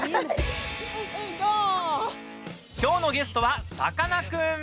きょうのゲストはさかなクン。